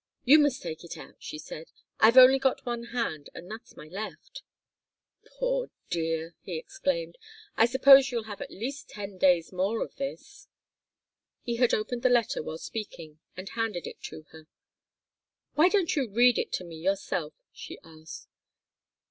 "You must take it out," she said. "I've only got one hand, and that's my left." "Poor dear!" he exclaimed. "I suppose you'll have at least ten days more of this." He had opened the letter while speaking and handed it to her. "Why don't you read it to me yourself?" she asked.